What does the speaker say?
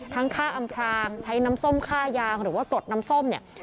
ค่าอำพรางใช้น้ำส้มค่ายางหรือว่ากรดน้ำส้มเนี่ย